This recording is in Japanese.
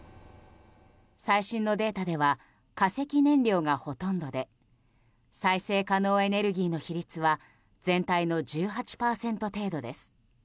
最新のデータでは化石燃料がほとんどで再生可能エネルギーの比率は全体の１８％程度です。